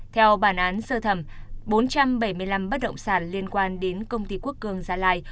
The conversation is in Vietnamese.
theo bản án sơ thẩm bốn trăm bảy mươi năm bất động sản liên quan đến công ty quốc cường gia lai